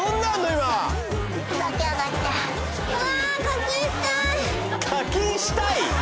今「課金したい」！？